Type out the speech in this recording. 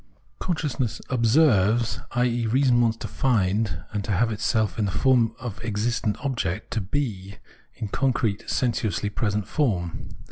Consciousness " observes," i.e. reason wants to find and to have itself in the form of existent object, to he in concrete sensuously present form.